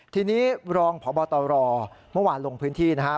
ทีนี้รองพบตรเมื่อวานลงพื้นที่นะครับ